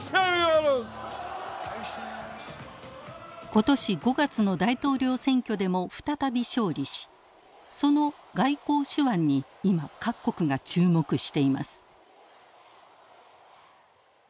今年５月の大統領選挙でも再び勝利しその外交手腕に今各国が注目しています。